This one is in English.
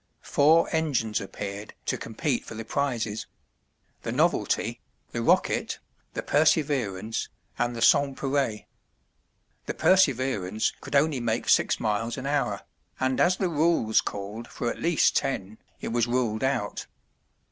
Four engines appeared to compete for the prizes. "The Novelty," the "Rocket," the "Perseverance" and the "Sanspareil." The "Perseverance" could only make six miles an hour, and as the rules called for at least ten, it was ruled out.